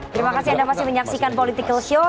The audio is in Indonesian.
terima kasih anda masih menyaksikan political show